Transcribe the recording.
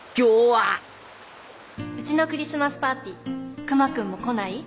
うちのクリスマスパーティー熊くんも来ない？